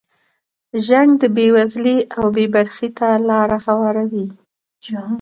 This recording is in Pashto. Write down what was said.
جنګ د بې وزلۍ او بې برخې ته لاره هواروي.